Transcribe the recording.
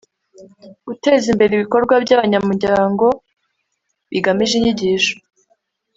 Guteza imbere ibikorwa by abanyamuryango bigamije inyigi sho